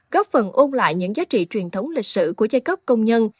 góp phần ôn lại những giá trị truyền thống lịch sử của giai cấp công nhân